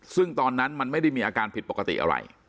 ซึ่งตอนนั้นมันไม่ได้มีอาการผิดปกติอะไร